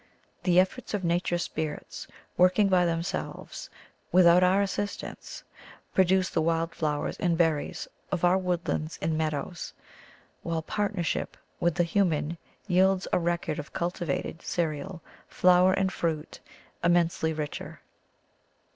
The efforts of nature spirits work ing by themselves without our assistance produce the wild flowers and berries of our woodlands and meadows, while partnership with the human yields a record of cultivated cereal, flower, and fruit, immensely richer.